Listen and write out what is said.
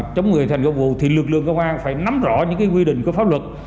chống người thành công vụ thì lực lượng công an phải nắm rõ những quy định của pháp luật